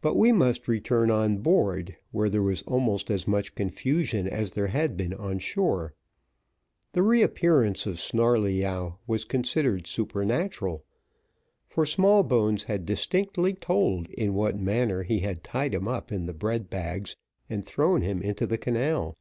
But we must return on board, where there was almost as much confusion as there had been on shore. The reappearance of Snarleyyow was considered supernatural, for Smallbones had distinctly told in what manner he had tied him up in the bread bags, and thrown him into the canal.